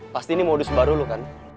pasti ini modus baru lu kan